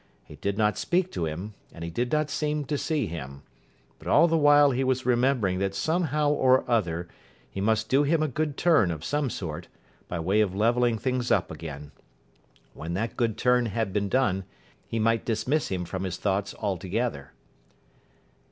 He did not speak to him, and he did not seem to see him. But all the while he was remembering that somehow or other he must do him a good turn of some sort, by way of levelling things up again. When that good turn had been done, he might dismiss him from his thoughts altogether.